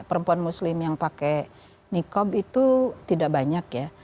ketika saya lihat roman roman yang pakai nikab itu tidak banyak ya